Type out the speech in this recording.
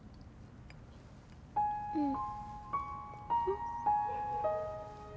うん。